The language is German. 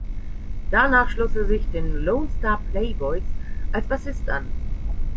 Danach schloss er sich den "Lone Star Playboys" als Bassist an.